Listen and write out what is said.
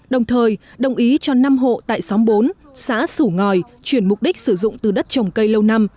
đồng thời đồng ý cho năm hộ tại xóm bốn xã sủ ngòi chuyển mục đích sử dụng từ đất trồng cây lâu năm